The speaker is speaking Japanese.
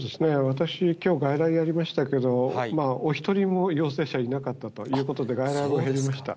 私、きょう外来やりましたけれども、お一人も陽性者いなかったということで、外来も減りました。